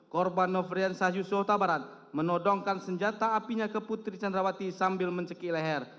korban nofrian sahyus yota barat menodongkan senjata apinya ke putri candrawati sambil menceki leher